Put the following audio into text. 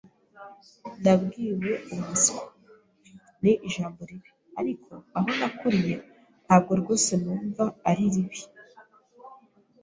Nabwiwe "umuswa" ni ijambo ribi, ariko aho nakuriye ntabwo rwose numva ari bibi.